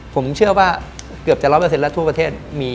ผมเชื่อว่าเกือบจะ๑๐๐แล้วทั่วประเทศมี